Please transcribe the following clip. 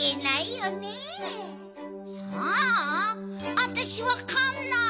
わたしわかんない。